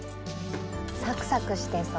サクサクしてそう。